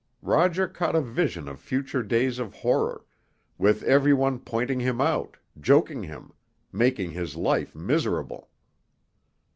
Roger caught a vision of future days of horror, with every one pointing him out, joking him, making his life miserable.